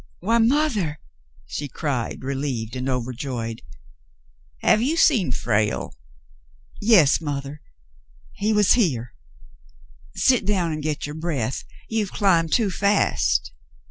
Why, mothah !" she cried, relieved and overjoyed. Have you seen Frale ?" Yes, mothah. He was here. Sit down and get your breath. You have climbed too fast."